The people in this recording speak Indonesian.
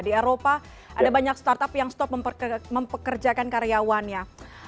di eropa ada banyak startup yang stop mempekerjakan karyawannya